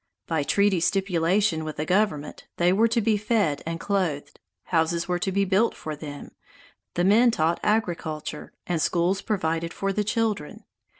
By treaty stipulation with the government, they were to be fed and clothed, houses were to be built for them, the men taught agriculture, and schools provided for the children.